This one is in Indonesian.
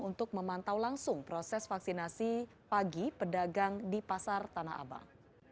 untuk memantau langsung proses vaksinasi pagi pedagang di pasar tanah abang